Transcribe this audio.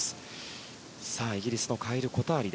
イギリスのカイル・コターリ。